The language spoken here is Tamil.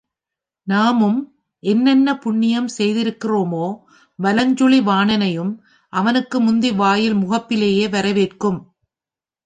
நாமும் என்ன என்ன புண்ணியம் செய்திருக்கிறோமோ, வலஞ்சுழி வாணனையும் அவனுக்கும் முந்தி வாயில் முகப்பிலேயே வரவேற்கும்.